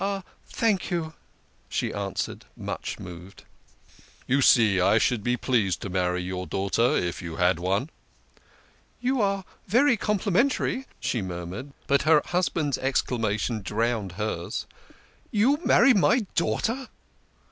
" Thank you," she answered, much moved. " You see I should be so pleased to marry your daughter if you had one." "You are very complimentary," she murmured, but her husband's exclamation drowned hers, " You marry my daughter